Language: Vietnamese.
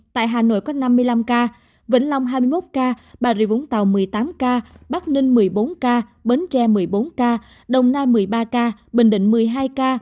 tại hà nội có năm mươi năm ca vĩnh long hai mươi một ca bà rịa vũng tàu một mươi tám ca bắc ninh một mươi bốn ca bến tre một mươi bốn ca đồng nai một mươi ba ca bình định một mươi hai ca